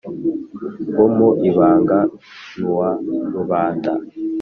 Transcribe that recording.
wo mu ibanga n’uwa rubanda